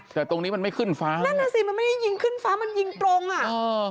แต่ตรงนี้มันไม่ขึ้นฟ้านั่นน่ะสิมันไม่ได้ยิงขึ้นฟ้ามันยิงตรงอ่ะเออ